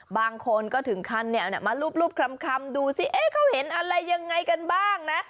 บางคนก็ถึงขั้นมารูปคำดูสิเขาเห็นอะไรยังไงกันบ้างนะ